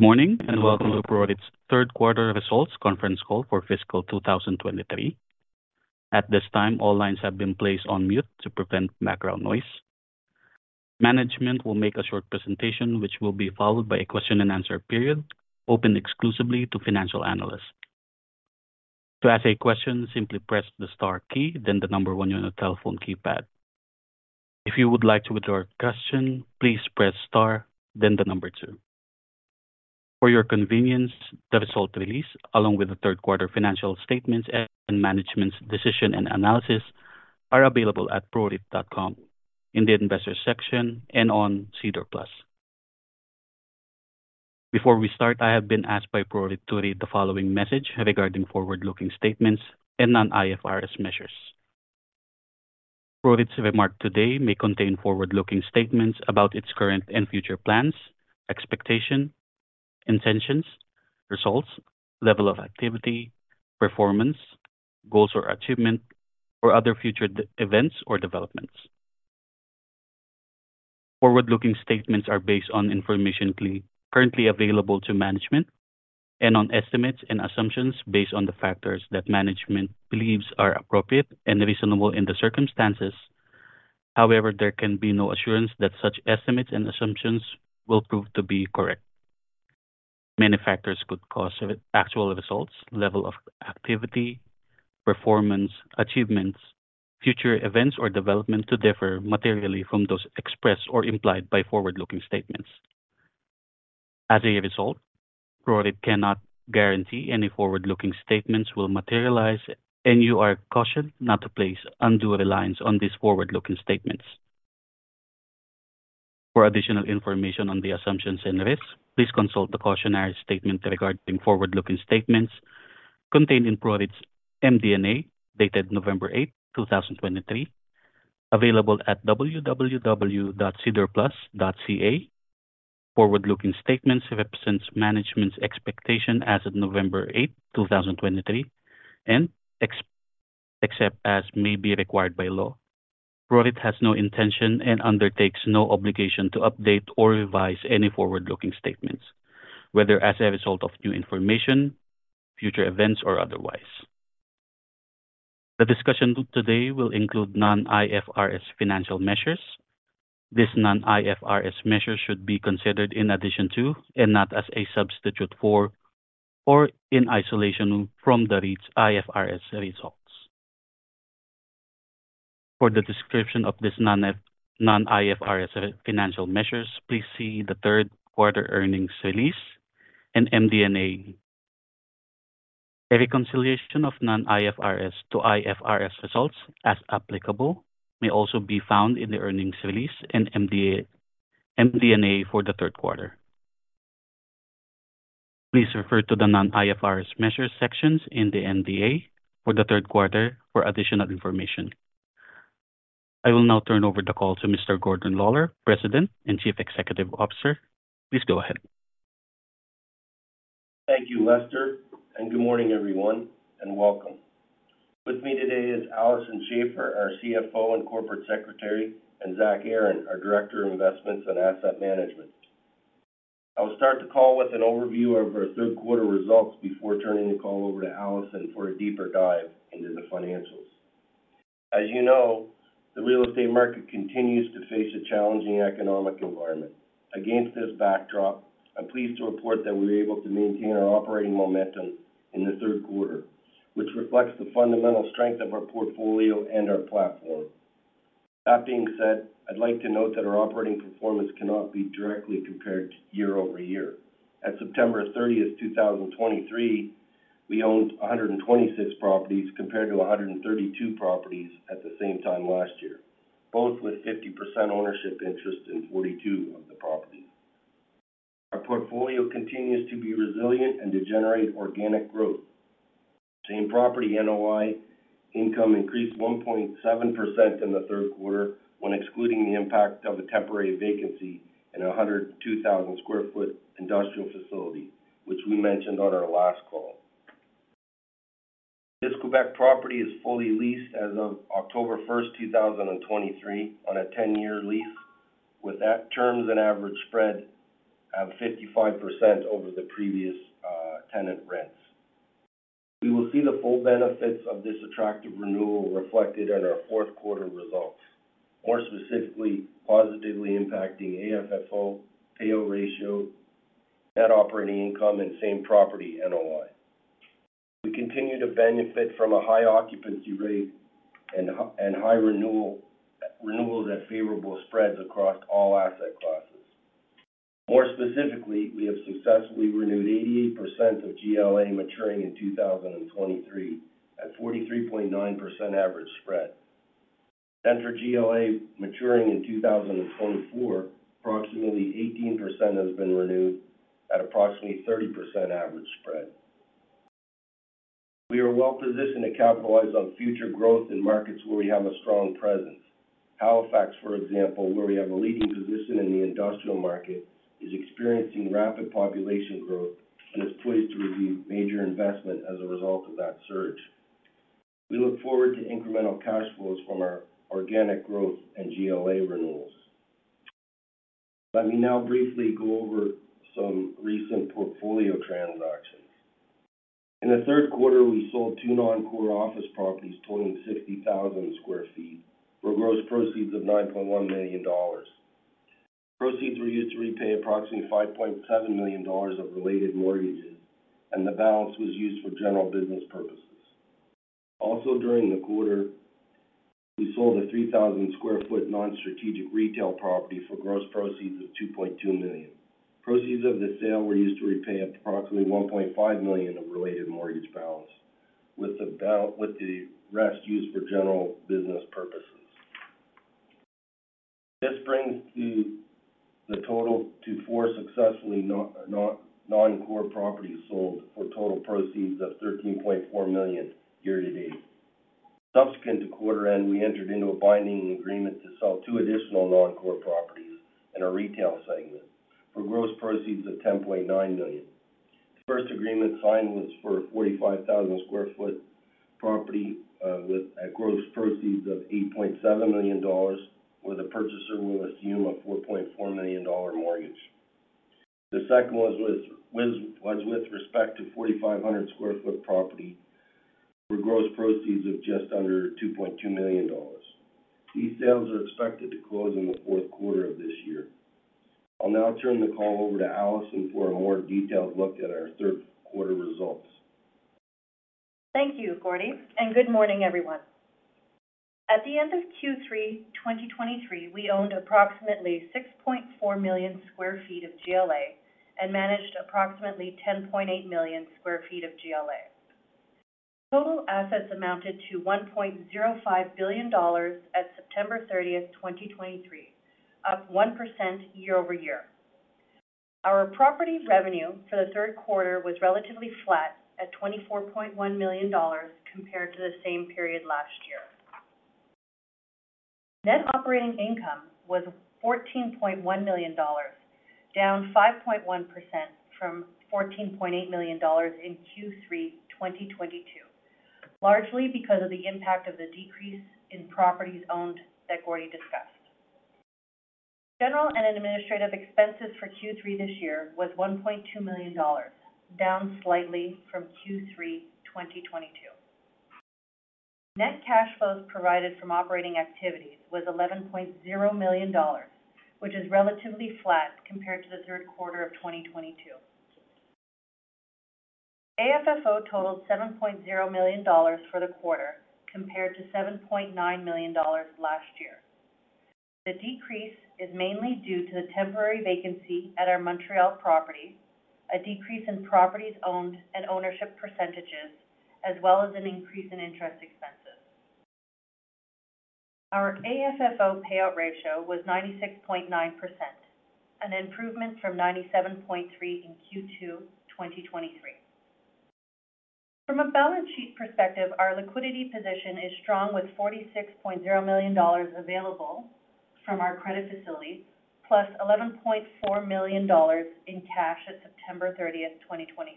Good morning, and welcome to PROREIT's third quarter results conference call for fiscal 2023. At this time, all lines have been placed on mute to prevent background noise. Management will make a short presentation, which will be followed by a question-and-answer period, open exclusively to financial analysts. To ask a question, simply press the star key, then the one on your telephone keypad. If you would like to withdraw a question, please press star, then the two. For your convenience, the results release, along with the third quarter financial statements and management's discussion and analysis, are available at proreit.com in the investor section and on SEDAR+. Before we start, I have been asked by PROREIT to read the following message regarding forward-looking statements and non-IFRS measures. PROREIT's remarks today may contain forward-looking statements about its current and future plans, expectations, intentions, results, level of activity, performance, goals or achievements, or other future events or developments. Forward-looking statements are based on information currently available to management and on estimates and assumptions based on the factors that management believes are appropriate and reasonable in the circumstances. However, there can be no assurance that such estimates and assumptions will prove to be correct. Many factors could cause the actual results, level of activity, performance, achievements, future events or developments to differ materially from those expressed or implied by forward-looking statements. As a result, PROREIT cannot guarantee any forward-looking statements will materialize, and you are cautioned not to place undue reliance on these forward-looking statements. For additional information on the assumptions and risks, please consult the cautionary statement regarding forward-looking statements contained in PROREIT's MD&A, dated November 8, 2023, available at www.sedarplus.ca. Forward-looking statements represents management's expectation as of November 8, 2023, and except as may be required by law. PROREIT has no intention and undertakes no obligation to update or revise any forward-looking statements, whether as a result of new information, future events, or otherwise. The discussion today will include non-IFRS financial measures. This non-IFRS measure should be considered in addition to, and not as a substitute for, or in isolation from the REIT's IFRS results. For the description of this non-IFRS financial measures, please see the third quarter earnings release and MD&A. A reconciliation of non-IFRS to IFRS results, as applicable, may also be found in the earnings release and MD&A for the third quarter. Please refer to the non-IFRS measure sections in the MD&A for the third quarter for additional information. I will now turn over the call to Mr. Gordon Lawlor, President and Chief Executive Officer. Please go ahead. Thank you, Lester, and good morning, everyone, and welcome. With me today is Alison Schafer, our CFO and Corporate Secretary, and Zach Aaron, our Director of Investments and Asset Management. I will start the call with an overview of our third quarter results before turning the call over to Alison for a deeper dive into the financials. As you know, the real estate market continues to face a challenging economic environment. Against this backdrop, I'm pleased to report that we were able to maintain our operating momentum in the third quarter, which reflects the fundamental strength of our portfolio and our platform. That being said, I'd like to note that our operating performance cannot be directly compared to year-over-year. At September 30, 2023, we owned 126 properties, compared to 132 properties at the same time last year, both with 50% ownership interest in 42 of the properties. Our portfolio continues to be resilient and to generate organic growth. Same Property NOI income increased 1.7% in the third quarter when excluding the impact of a temporary vacancy in a 102,000 sq ft industrial facility, which we mentioned on our last call. This Quebec property is fully leased as of October 1st, 2023, on a 10-year lease, with those terms and average spread at 55% over the previous tenant rents. We will see the full benefits of this attractive renewal reflected in our fourth quarter results, more specifically, positively impacting AFFO, payout ratio, net operating income, and Same Property NOI. We continue to benefit from a high occupancy rate and high renewal rates with favorable spreads across all asset classes. More specifically, we have successfully renewed 88% of GLA maturing in 2023 at 43.9% average spread. For GLA maturing in 2024, approximately 18% has been renewed at approximately 30% average spread. We are well-positioned to capitalize on future growth in markets where we have a strong presence. Halifax, for example, where we have a leading position in the industrial market, is experiencing rapid population growth and is poised to receive major investment as a result of that surge. We look forward to incremental cash flows from our organic growth and GLA renewals. Let me now briefly go over some recent portfolio transactions. In the third quarter, we sold two non-core office properties totaling 60,000 sq ft, for gross proceeds of 9.1 million dollars. Proceeds were used to repay approximately 5.7 million dollars of related mortgages, and the balance was used for general business purposes. Also, during the quarter, we sold a 3,000 sq ft non-strategic retail property for gross proceeds of 2.2 million. Proceeds of the sale were used to repay approximately 1.5 million of related mortgage balance, with the rest used for general business purposes. This brings to the total to four successfully non-core properties sold for total proceeds of 13.4 million year-to-date. Subsequent to quarter end, we entered into a binding agreement to sell two additional non-core properties in our retail segment for gross proceeds of 10.9 million. First agreement signed was for a 45,000 sq ft property with gross proceeds of 8.7 million dollars, where the purchaser will assume a 4.4 million dollar mortgage. The second was with respect to a 4,500 sq ft property for gross proceeds of just under 2.2 million dollars. These sales are expected to close in the fourth quarter of this year. I'll now turn the call over to Alison for a more detailed look at our third quarter results. Thank you, Gordie, and good morning, everyone. At the end of Q3, 2023, we owned approximately 6.4 million sq ft of GLA and managed approximately 10.8 million sq ft of GLA. Total assets amounted to 1.05 billion dollars at September 30, 2023, up 1% year-over-year. Our property's revenue for the third quarter was relatively flat at 24.1 million dollars compared to the same period last year. Net operating income was 14.1 million dollars, down 5.1% from 14.8 million dollars in Q3, 2022, largely because of the impact of the decrease in properties owned that Gordie discussed. General and administrative expenses for Q3 this year was 1.2 million dollars, down slightly from Q3, 2022. Net cash flows provided from operating activities was 11.0 million dollars, which is relatively flat compared to the third quarter of 2022. AFFO totaled 7.0 million dollars for the quarter, compared to 7.9 million dollars last year. The decrease is mainly due to the temporary vacancy at our Montreal property, a decrease in properties owned and ownership percentages, as well as an increase in interest expenses. Our AFFO payout ratio was 96.9%, an improvement from 97.3% in Q2 2023. From a balance sheet perspective, our liquidity position is strong, with 46.0 million dollars available from our credit facility, plus 11.4 million dollars in cash at September 30th, 2023.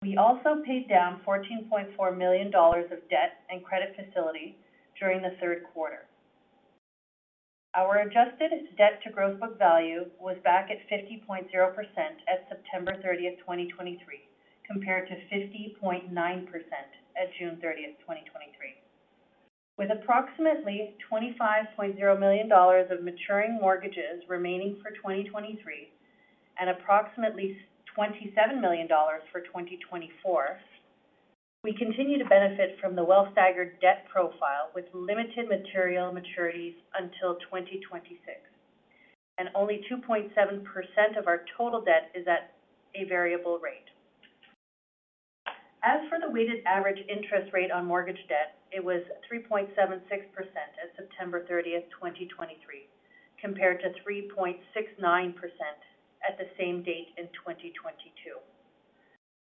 We also paid down 14.4 million dollars of debt and credit facility during the third quarter. Our adjusted debt to Gross Book Value was back at 50.0% as September 30th, 2023, compared to 50.9% at June 30th, 2023. With approximately 25.0 million dollars of maturing mortgages remaining for 2023, and approximately 27 million dollars for 2024, we continue to benefit from the well-staggered debt profile, with limited material maturities until 2026, and only 2.7% of our total debt is at a variable rate. As for the weighted average interest rate on mortgage debt, it was 3.76% as September 30, 2023, compared to 3.69% at the same date in 2022.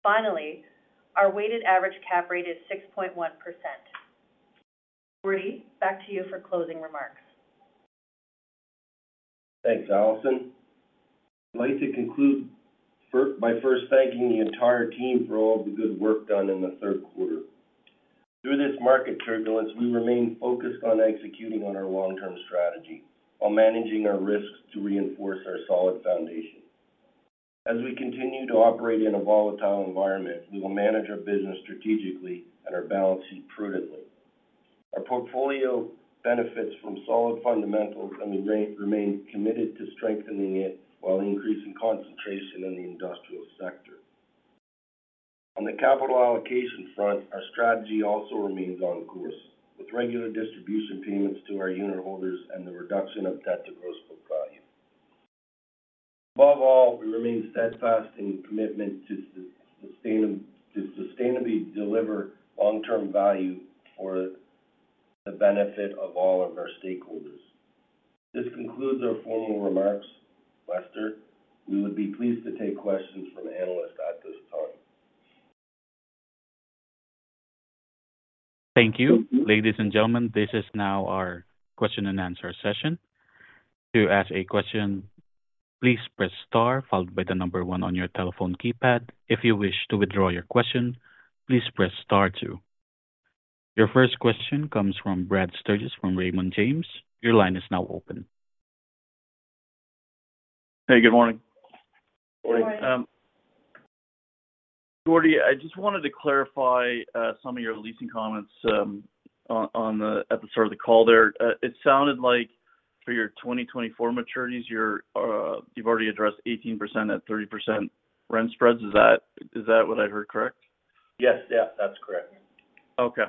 Finally, our weighted average cap rate is 6.1%. Gordie, back to you for closing remarks. Thanks, Alison. I'd like to conclude by first thanking the entire team for all the good work done in the third quarter. Through this market turbulence, we remain focused on executing on our long-term strategy while managing our risks to reinforce our solid foundation. As we continue to operate in a volatile environment, we will manage our business strategically and our balance sheet prudently. Our portfolio benefits from solid fundamentals, and we remain committed to strengthening it while increasing concentration in the industrial sector. On the capital allocation front, our strategy also remains on course, with regular distribution payments to our unit holders and the reduction of debt to gross book value. Above all, we remain steadfast in commitment to sustainably deliver long-term value for the benefit of all of our stakeholders. This concludes our formal remarks. Lester, we would be pleased to take questions from analysts at this time. Thank you. Ladies and gentlemen, this is now our question-and-answer session. To ask a question, please press star, followed by the number one on your telephone keypad. If you wish to withdraw your question, please press star two. Your first question comes from Brad Sturges from Raymond James. Your line is now open. Hey, good morning. Good morning. Gordie, I just wanted to clarify some of your leasing comments on the call at the start of the call there. It sounded like for your 2024 maturities, you've already addressed 18% at 30% rent spreads. Is that what I heard, correct? Yes. Yeah, that's correct. Okay.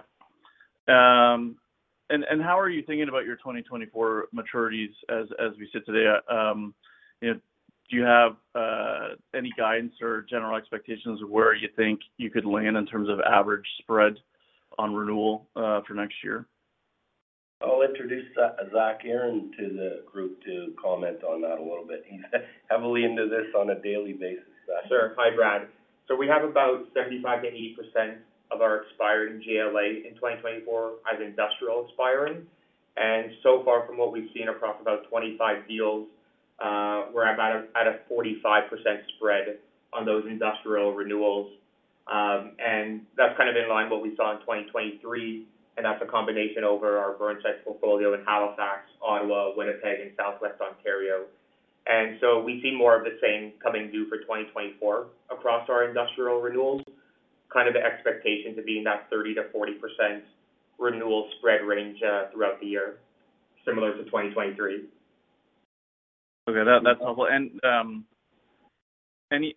How are you thinking about your 2024 maturities as we sit today? You know, do you have any guidance or general expectations of where you think you could land in terms of average spread on renewal for next year? I'll introduce Zach Aaron to the group to comment on that a little bit. He's heavily into this on a daily basis. Sure. Hi, Brad. So we have about 75-80% of our expired GLA in 2024 as industrial expiring, and so far from what we've seen across about 25 deals, we're about at a 45% spread on those industrial renewals. That's kind of in line with what we saw in 2023, and that's a combination over our Burnside portfolio in Halifax, Ottawa, Winnipeg, and Southwest Ontario. So we see more of the same coming due for 2024 across our industrial renewals, kind of the expectation to be in that 30%-40% renewal spread range, throughout the year, similar to 2023. Okay, that's helpful. Any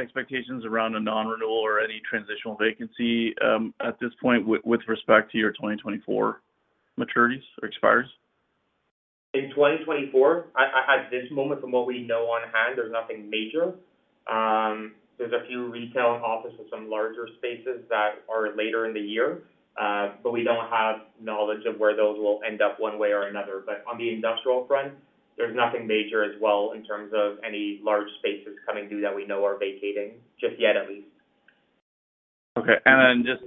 expectations around a non-renewal or any transitional vacancy at this point with respect to your 2024 maturities or expires? In 2024, at this moment, from what we know on hand, there's nothing major. There's a few retail and office with some larger spaces that are later in the year, but we don't have knowledge of where those will end up one way or another. But on the industrial front, there's nothing major as well in terms of any large spaces coming through that we know are vacating just yet, at least. Okay. Then just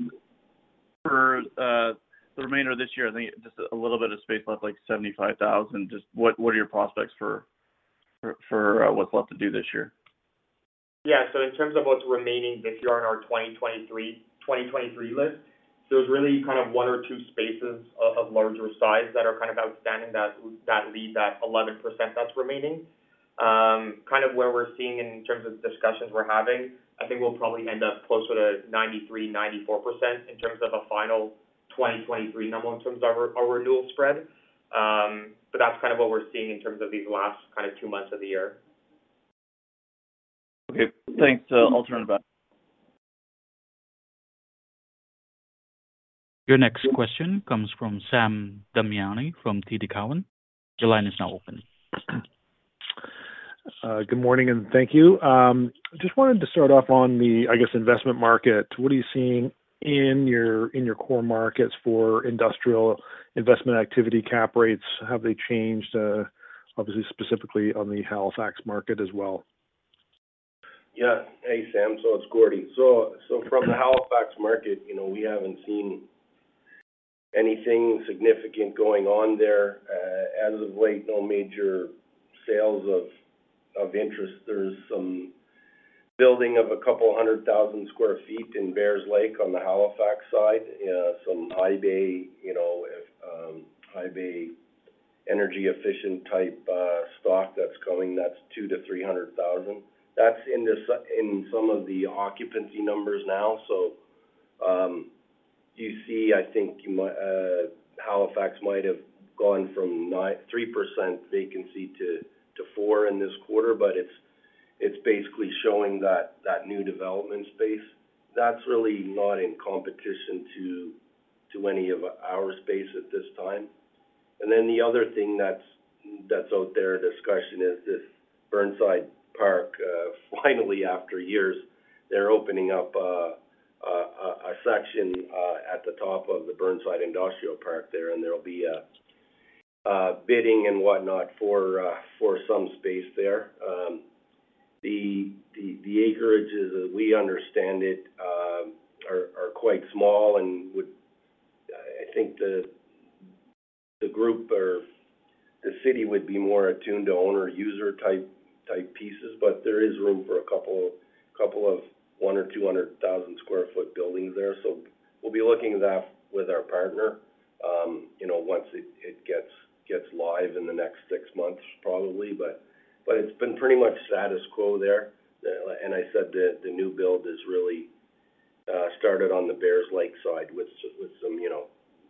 for the remainder of this year, I think just a little bit of space left, like 75,000. Just what are your prospects for what's left to do this year? Yeah. So in terms of what's remaining this year on our 2023 list, there's really kind of one or two spaces of larger size that are kind of outstanding, that leave that 11% that's remaining. Kind of where we're seeing in terms of discussions we're having, I think we'll probably end up closer to 93%-94% in terms of a final 2023 number in terms of our renewal spread, but that's kind of what we're seeing in terms of these last kind of two months of the year. Okay, thanks. I'll turn it back. Your next question comes from Sam Damiani from TD Cowen. Your line is now open. Good morning, and thank you. Just wanted to start off on the, I guess, investment market. What are you seeing in your core markets for industrial investment activity, cap rates? Have they changed, obviously, specifically on the Halifax market as well? Yeah. Hey, Sam. So it's Gordie. So from the Halifax market, you know, we haven't seen anything significant going on there. As of late, no major sales of interest. There's some building of 200,000 sq ft in Bayers Lake on the Halifax side. Some high bay, you know, high bay, energy efficient type stock that's coming, that's 200,000-300,000. That's in some of the occupancy numbers now. So you see, I think you might, Halifax might have gone from 93% vacancy to 4% in this quarter, but it's basically showing that new development space. That's really not in competition to any of our space at this time. Then the other thing that's out there in discussion is this Burnside Industrial Park. Finally, after years, they're opening up a section at the top of the Burnside Industrial Park there, and there'll be bidding and whatnot for some space there. The acreages, as we understand it, are quite small and would—I think the group or the city would be more attuned to owner-user type pieces, but there is room for a couple of 100,000 or 200,000 sq ft buildings there. So we'll be looking at that with our partner, you know, once it gets live in the next six months, probably. But it's been pretty much status quo there and I said the new build is really started on the Bayers Lake side with some, you know,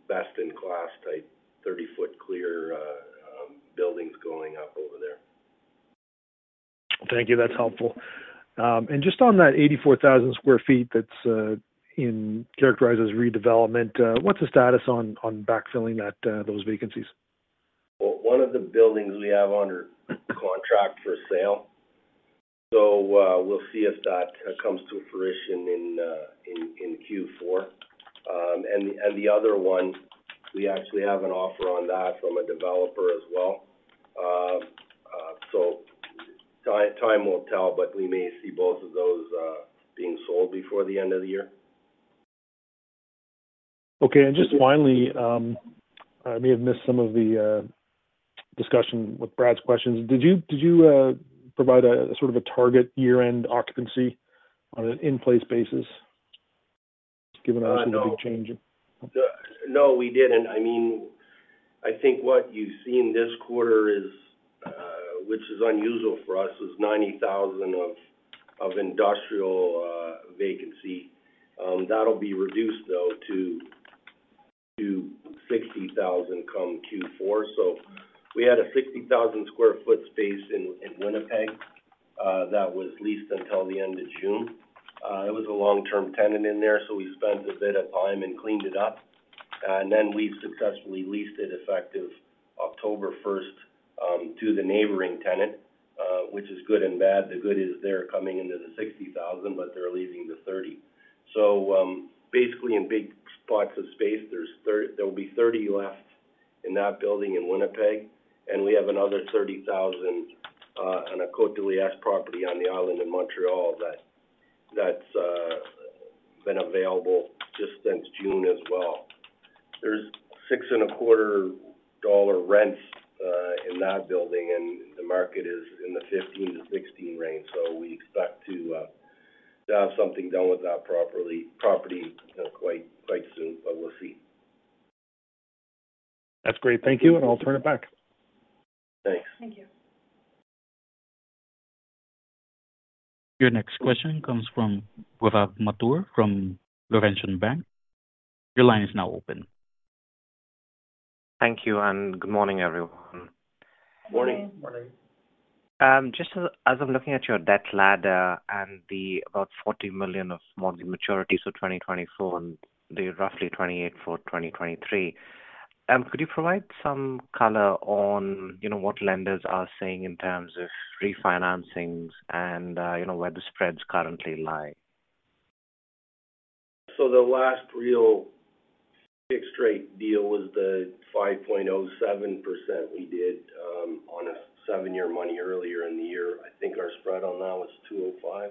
best-in-class type, 30-foot clear buildings going up over there. Thank you. That's helpful. Just on that 84,000 sq ft, that's characterized as redevelopment. What's the status on backfilling that, those vacancies? Well, one of the buildings we have under contract for sale, so we'll see if that comes to fruition in Q4 and the other one, we actually have an offer on that from a developer as well. Time will tell, but we may see both of those being sold before the end of the year. Okay. Just finally, I may have missed some of the discussion with Brad's questions. Did you provide a sort of a target year-end occupancy on an in-place basis, given the big change in- No. No, we didn't. I mean, I think what you see in this quarter is, which is unusual for us, is 90,000 of industrial vacancy. That'll be reduced though, to 60,000 come Q4. So we had a 60,000 sq ft space in Winnipeg, that was leased until the end of June. It was a long-term tenant in there, so we spent a bit of time and cleaned it up, and then we've successfully leased it effective October 1st, to the neighboring tenant, which is good and bad. The good is they're coming into the 60,000, but they're leaving the 30. So, basically in big blocks of space, there will be 30 left in that building in Winnipeg, and we have another 30,000 on a Côte-de-Liesse property on the island in Montreal that that's been available just since June as well. There's 6.25 dollar rents in that building, and the market is in the 15-16 range. So we expect to have something done with that property quite, quite soon, but we'll see. That's great. Thank you, and I'll turn it back. Thanks. Thank you. Your next question comes from Gaurav Mathur from Laurentian Bank. Your line is now open. Thank you, and good morning, everyone. Morning. Morning. Just as I'm looking at your debt ladder and the about 40 million of mortgage maturities for 2024 and the roughly 28 million for 2023, could you provide some color on, you know, what lenders are saying in terms of refinancings and, you know, where the spreads currently lie? So the last real fixed-rate deal was the 5.07% we did on a seven-year money earlier in the year. I think our spread on that was 205, 20-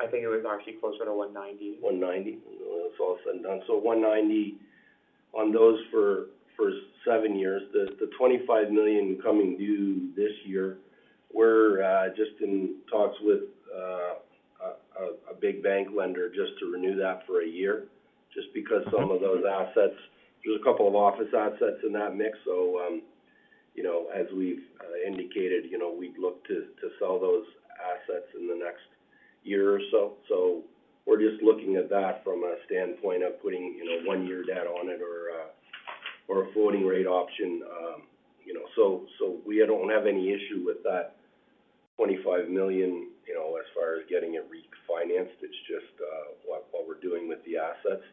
I think it was actually closer to 190. 190? Well, it's all said and done. So 190 on those for seven years. The 25 million coming due this year, we're just in talks with a big bank lender just to renew that for a year, just because some of those assets, there's a couple of office assets in that mix. So, you know, as we've indicated, you know, we'd look to sell those assets in the next year or so. So we're just looking at that from a standpoint of putting, you know, one year debt on it or a floating rate option, you know. So we don't have any issue with that 25 million, you know, as far as getting it refinanced. It's just what we're doing with the assets.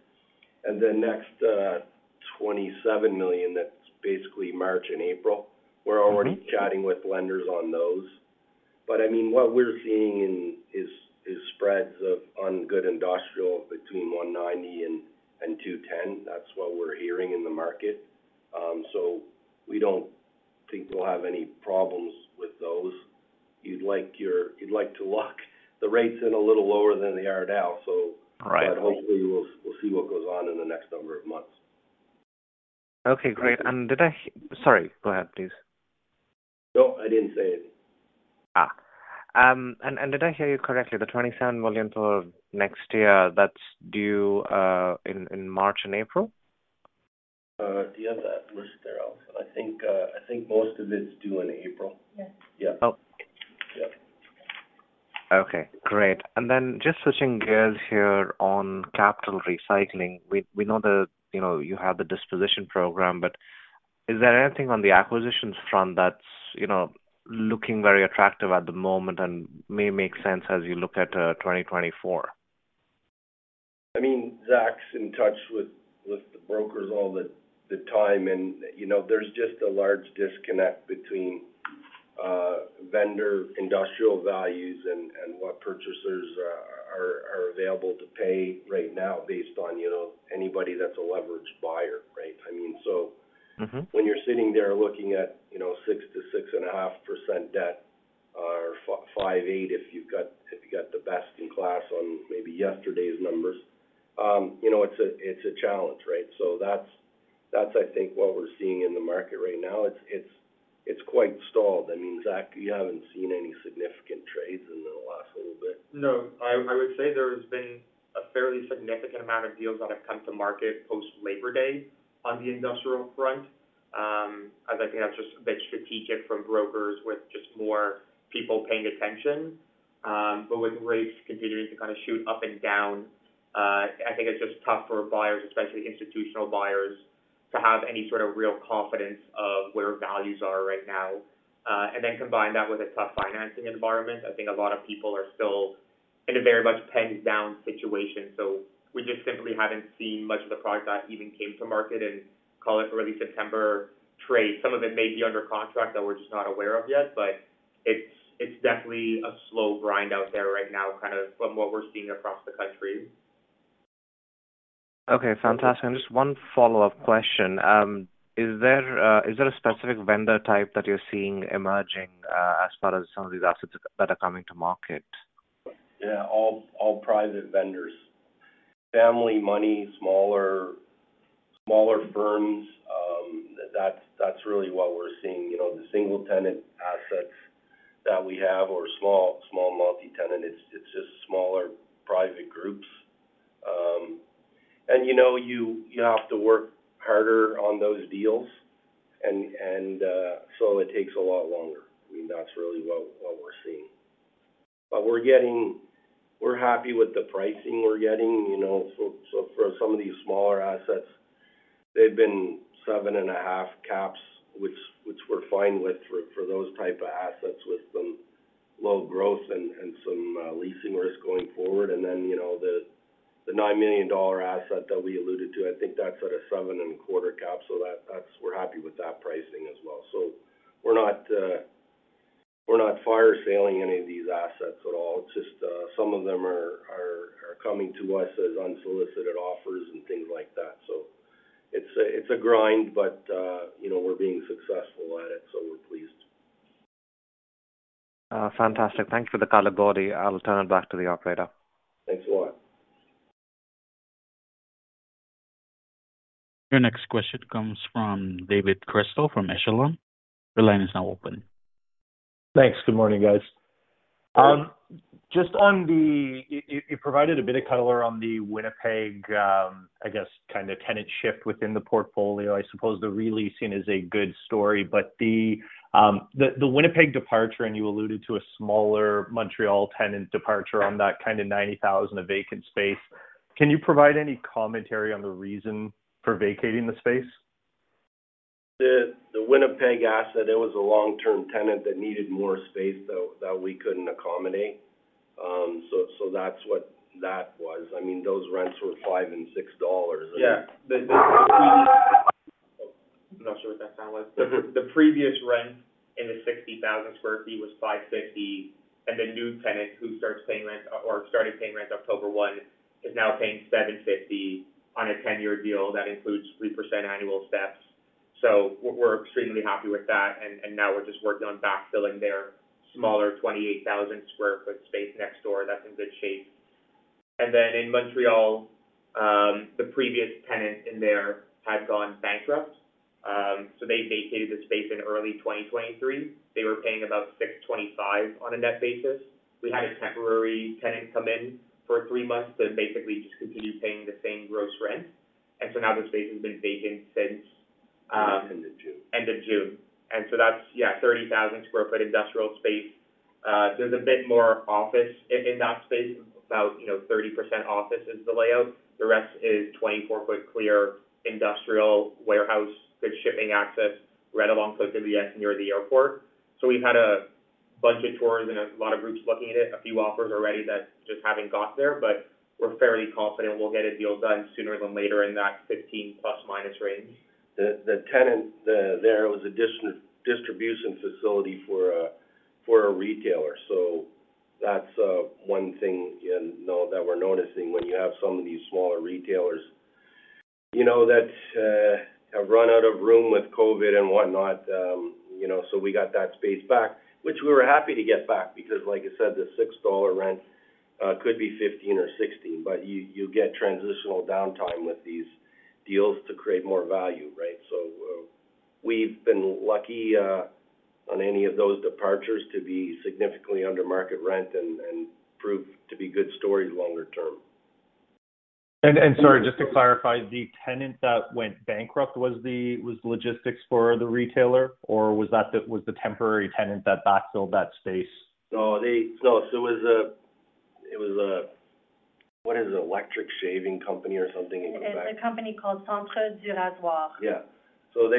The next 27 million, that's basically March and April. We're already chatting with lenders on those. But I mean, what we're seeing is spreads on good industrial between 190 and 210. That's what we're hearing in the market. So we don't think we'll have any problems with those. You'd like to lock the rates in a little lower than they are now, so hopefully, we'll see what goes on in the next number of months. Okay, great. Did I hear-- Sorry, go ahead, please. No, I didn't say anything. Did I hear you correctly, the 27 million for next year, that's due in March and April? Yeah, that was there. I think most of it's due in April. Yes. Yeah. Oh. Yeah. Okay, great. Then just switching gears here on capital recycling. We know that, you know, you have the disposition program, but is there anything on the acquisitions front that's, you know, looking very attractive at the moment and may make sense as you look at 2024? I mean, Zach's in touch with the brokers all the time, and, you know, there's just a large disconnect between vendor industrial values and what purchasers are available to pay right now based on, you know, anybody that's a leveraged buyer, right? I mean, so when you're sitting there looking at, you know, 6%-6.5% debt or 5.8%, if you've got--if you've got the best in class on maybe yesterday's numbers, you know, it's a challenge, right? So that's, that's I think what we're seeing in the market right now. It's quite stalled. I mean, Zach, you haven't seen any significant trades in the last little bit? No, I would say there's been a fairly significant amount of deals that have come to market post Labor Day on the industrial front. I think that's just a bit strategic from brokers with just more people paying attention, but with rates continuing to kind of shoot up and down, I think it's just tough for buyers, especially institutional buyers, to have any sort of real confidence of where values are right now. Then combine that with a tough financing environment, I think a lot of people are still in a very much penned down situation. So we just simply haven't seen much of the product that even came to market in, call it, early September trade. Some of it may be under contract that we're just not aware of yet, but it's definitely a slow grind out there right now, kind of from what we're seeing across the country. Okay, fantastic. Just one follow-up question. Is there a specific vendor type that you're seeing emerging as far as some of these assets that are coming to market? Yeah, all private vendors. Family money, smaller firms, that's really what we're seeing. You know, the single-tenant assets that we have, or small multi-tenant, it's just smaller private groups and you know, you have to work harder on those deals, and so it takes a lot longer. I mean, that's really what we're seeing. But we're getting. We're happy with the pricing we're getting, you know. So for some of these smaller assets, they've been 7.5 caps, which we're fine with for those type of assets, with some low growth and some leasing risk going forward. Then, you know, the 9 million dollar asset that we alluded to, I think that's at a 7.25 cap, so that's. We're happy with that pricing as well. So we're not fire selling any of these assets at all. It's just, some of them are coming to us as unsolicited offers and things like that. So it's a grind, but, you know, we're being successful at it, so we're pleased. Fantastic. Thank you for the color, Gordie. I'll turn it back to the operator. Thanks a lot. Your next question comes from David Chrystal from Echelon. The line is now open. Thanks. Good morning, guys. Just on the, you provided a bit of color on the Winnipeg, I guess, kind of tenant shift within the portfolio. I suppose the re-leasing is a good story, but the Winnipeg departure, and you alluded to a smaller Montreal tenant departure on that kind of 90,000 of vacant space. Can you provide any commentary on the reason for vacating the space? The Winnipeg asset, it was a long-term tenant that needed more space that we couldn't accommodate. So, that's what that was. I mean, those rents were 5-6 dollars. Yeah. I'm not sure what that sound was. The previous rent in the 60,000 sq ft was 5.50, and the new tenant who starts paying rent or started paying rent October 1 is now paying 7.50 on a 10-year deal. That includes 3% annual steps. So we're extremely happy with that, and now we're just working on backfilling their smaller 28,000 sq ft space next door. That's in good shape. Then in Montreal, the previous tenant in there had gone bankrupt. So they vacated the space in early 2023. They were paying about 6.25 on a net basis. We had a temporary tenant come in for three months to basically just continue paying the same gross rent and so now the space has been vacant since End of June. End of June. So that's, yeah, 30,000 sq ft industrial space. There's a bit more office in that space, about, you know, 30% office is the layout. The rest is 24-foot clear industrial warehouse, good shipping access, right along close to the U.S., near the airport. So we've had a bunch of tours and a lot of groups looking at it, a few offers already that just haven't got there, but we're fairly confident we'll get a deal done sooner than later in that 15± range. The tenant, there was a distribution facility for a retailer. So that's one thing, you know, that we're noticing when you have some of these smaller retailers, you know, that have run out of room with COVID and whatnot. You know, so we got that space back, which we were happy to get back, because like I said, the 6 dollar rent could be 15 or 16, but you get transitional downtime with these deals to create more value, right? So, we've been lucky on any of those departures to be significantly under market rent and prove to be good stories longer term. Sorry, just to clarify, the tenant that went bankrupt was the logistics for the retailer, or was that the temporary tenant that backfilled that space? No, so it was a, what is it? Electric shaving company or something. It's a company called Centre du Rasoir. Yeah. So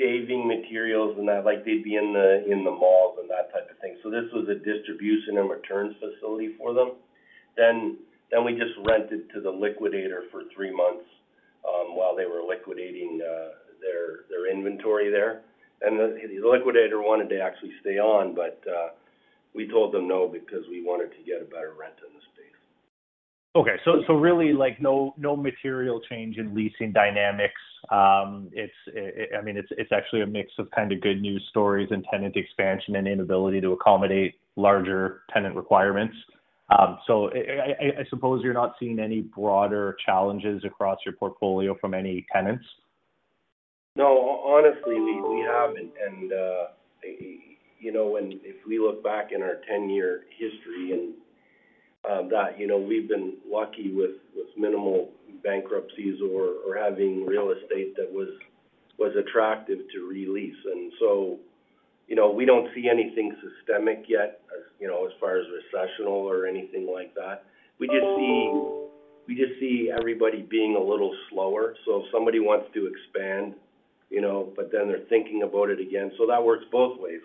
shaving materials and that, like, they'd be in the, in the malls and that type of thing. So this was a distribution and returns facility for them. Then we just rented to the liquidator for three months, while they were liquidating, their inventory there and the liquidator wanted to actually stay on, but, we told them no, because we wanted to get a better rent in the space. Okay. So really, like, no material change in leasing dynamics. It's actually a mix of kind of good news stories and tenant expansion, and inability to accommodate larger tenant requirements. So I suppose you're not seeing any broader challenges across your portfolio from any tenants? No, honestly, we haven't and, you know, if we look back in our 10-year history and, that, you know, we've been lucky with, with minimal bankruptcies or, or having real estate that was, was attractive to re-lease. So, you know, we don't see anything systemic yet, as, you know, as far as recessional or anything like that. We just see, we just see everybody being a little slower. So if somebody wants to expand, you know, but then they're thinking about it again. So that works both ways.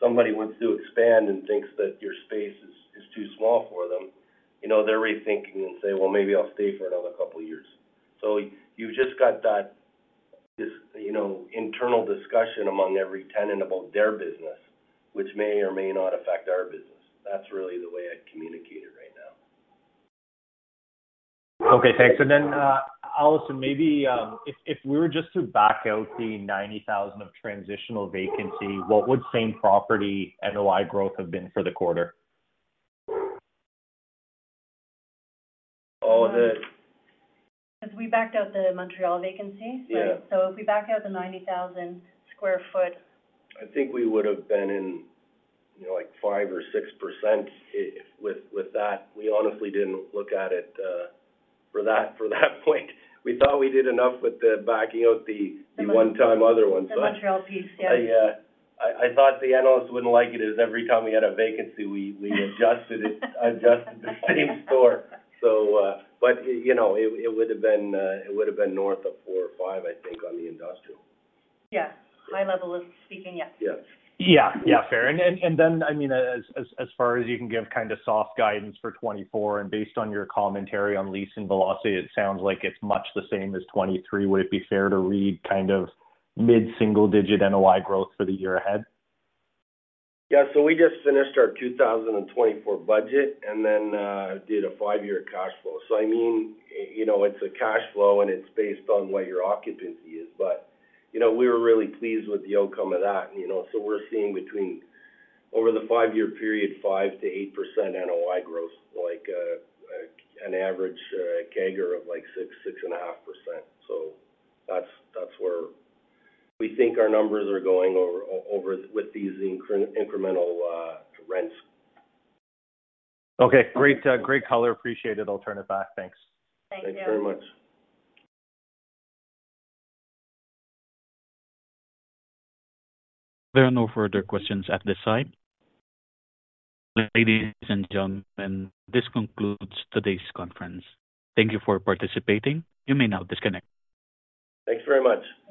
Somebody wants to expand and thinks that your space is, is too small for them, you know, they're rethinking and saying, "Well, maybe I'll stay for another couple of years" So you've just got this, you know, internal discussion among every tenant about their business, which may or may not affect our business. That's really the way I'd communicate it right now. Okay, thanks. Then, Alison, maybe, if we were just to back out the 90,000 of transitional vacancy, what would Same Property NOI growth have been for the quarter? Oh, the- Because we backed out the Montreal vacancy. Yeah. If we back out the 90,000 sq ft. I think we would have been in, you know, like 5% or 6% with that. We honestly didn't look at it for that point. We thought we did enough with the backing out the one-time other one. The Montreal piece, yeah. I thought the analysts wouldn't like it, as every time we had a vacancy, we adjusted it, adjusted the same store. So, but, you know, it would have been north of 4% or 5%, I think, on the industrial. Yeah. High level of speaking, yes. Yes. Yeah, yeah, fair. Then, I mean, as far as you can give kind of soft guidance for 2024, and based on your commentary on leasing velocity, it sounds like it's much the same as 2023. Would it be fair to read kind of mid-single digit NOI growth for the year ahead? Yeah. So we just finished our 2024 budget and then did a five-year cash flow. So I mean, you know, it's a cash flow, and it's based on what your occupancy is. But, you know, we were really pleased with the outcome of that. You know, so we're seeing between, over the five-year period, 5%-8% NOI growth, like, an average CAGR of, like, 6%-6.5%. So that's, that's where we think our numbers are going over with these incremental rents. Okay, great, great color. Appreciate it. I'll turn it back. Thanks. Thank you. Thanks very much. There are no further questions at this time. Ladies and gentlemen, this concludes today's conference. Thank you for participating. You may now disconnect. Thanks very much.